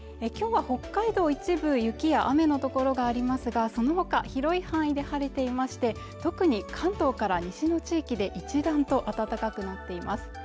今日は北海道一部雪や雨の所がありますがそのほか広い範囲で晴れていまして特に関東から西の地域で一段と暖かくなっています